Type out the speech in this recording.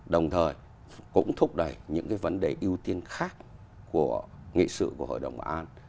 đồng thời cũng thúc đẩy những cái vấn đề ưu tiên khác của nghị sự của hội đồng bà an